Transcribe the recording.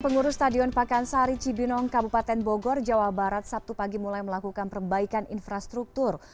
pengurus stadion pakansari cibinong kabupaten bogor jawa barat sabtu pagi mulai melakukan perbaikan infrastruktur